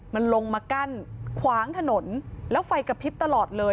มันลงมากั้นขวางถนนแล้วไฟกระพริบตลอดเลย